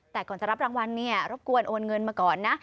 แต่ก่อนจะรับรางวัลเนี่ยรบกวนโอนเงินมาก่อนนะ